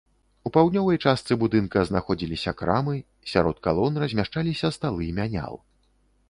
У паўднёвай частцы будынка знаходзіліся крамы, сярод калон размяшчаліся сталы мянял.